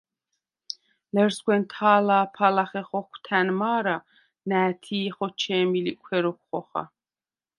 ლერსგვენ თა̄ლა̄ფა ლახე ხოქვთა̈ნ მა̄რა, ნა̄̈თი̄ ხოჩე̄მი ლიკვჰე როქვ ხოხა.